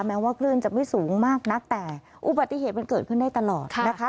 แม้ว่าคลื่นจะไม่สูงมากนักแต่อุบัติเหตุมันเกิดขึ้นได้ตลอดนะคะ